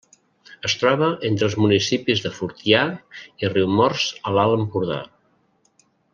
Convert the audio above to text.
Es troba entre els municipis de Fortià i Riumors a l'Alt Empordà.